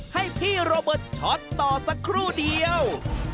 ให้พี่โรเบิร์ตช็อตต่อสักครู่เดียว